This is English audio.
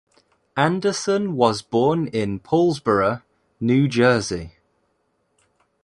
Anderson was born in Paulsboro, New Jersey.